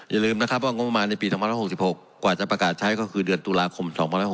อย่าลืมนะครับว่างบประมาณในปี๒๐๖๖กว่าจะประกาศใช้ก็คือเดือนตุลาคม๒๖๖